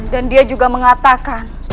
dan dia juga mengatakan